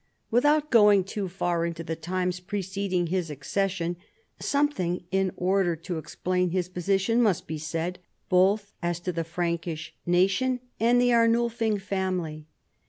"Without going too far into the times preceding his accession, something in order to explain his position must be said, both as to the Frankish nation and the Arnulfing family.